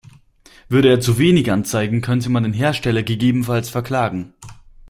Würde er zu wenig anzeigen, könnte man den Hersteller gegebenenfalls verklagen.